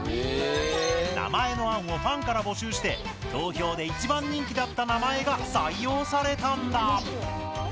名前の案をファンから募集して投票で１番人気だった名前が採用されたんだ。